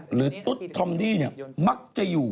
หรือตุ๊ดธรรมดีมักจะอยู่